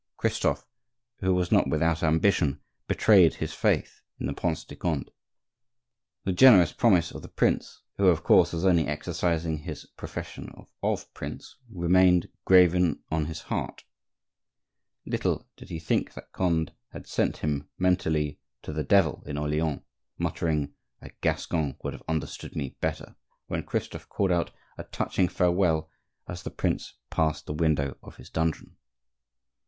Christophe, who was not without ambition, betrayed his faith in the Prince de Conde. The generous promise of the prince, who, of course, was only exercising his profession of prince, remained graven on his heart; little did he think that Conde had sent him, mentally, to the devil in Orleans, muttering, "A Gascon would have understood me better," when Christophe called out a touching farewell as the prince passed the window of his dungeon.